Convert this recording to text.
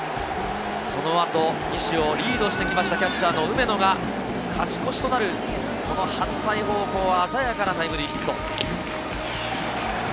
そのあと西をリードしてきました、キャッチャーの梅野が勝ち越しとなる、この反対方向、鮮やかなタイムリーヒット。